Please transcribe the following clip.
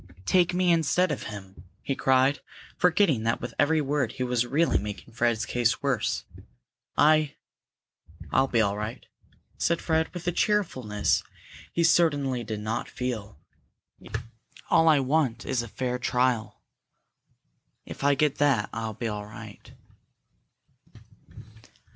"Take me instead of him!" he cried, forgetting that with every word he was really making Fred's case worse. "I " "I'll be all right," said Fred, with a cheerfulness he certainly did not feel. "All I want is a fair trial. If I get that, I'll be all right."